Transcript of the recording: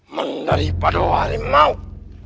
menderipadu hari maut